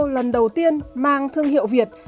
lần đầu tiên mang thương hiệu việt